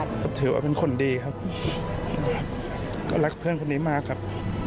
ก็ถือว่าเป็นคนดีครับก็รักเพื่อนคนนี้มากครับ